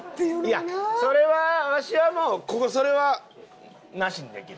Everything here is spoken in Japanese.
いやそれはわしはもうそれはなしにできる。